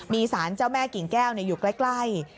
มีสารเจ้าแม่กิ่งแก้วอยู่ใกล้